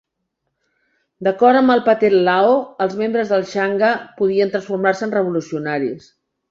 D'acord amb el Pathet Lao, els membres del Sangha podien transformar-se en revolucionaris.